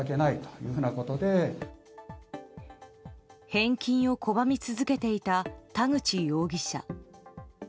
返金を拒み続けていた田口容疑者。